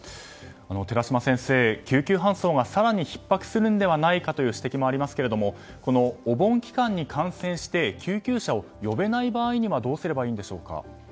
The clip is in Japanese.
寺嶋先生、救急搬送が更にひっ迫するのではないかという指摘もありますがこのお盆期間に感染して救急車を呼べない場合にはどうすればいいんでしょうか。